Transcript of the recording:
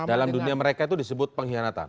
dalam dunia mereka itu disebut pengkhianatan